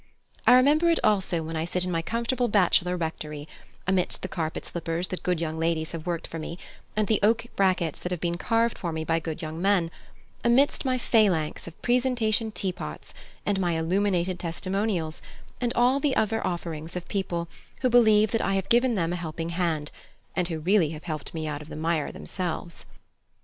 I remember it also when I sit in my comfortable bachelor reftory, amidst the carpet slippers that good young ladies have worked for me, and the oak brackets that have been carved for me by good young men; amidst my phalanx of presentation teapots and my illuminated testimonials and all the other offerings of people who believe that I have given them a helping hand, and who really have helped me out of the mire themselves.